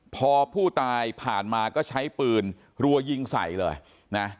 พอผู้ตายผ่านมาก็ใช้ปืนรัวยิงใส่เลยนะ